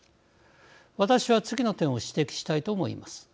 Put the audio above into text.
私は、次の点を指摘したいと思います。